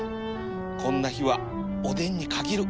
こんな日はおでんに限る